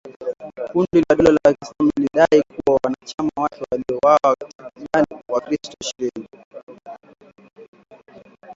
Kundi la dola ya Kiislamu lilidai kuwa wanachama wake waliwaua takribani wakristo ishirini